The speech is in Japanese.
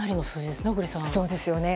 そうですよね。